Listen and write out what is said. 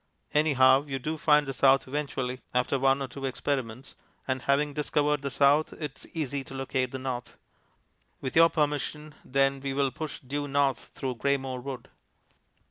Anyhow you do find the south eventually after one or two experiments, and having discovered the south it is easy enough to locate the north. With your permission then we will push due north through Greymoor Wood.